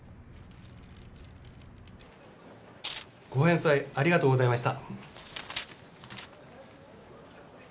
・ご返済ありがとうございました。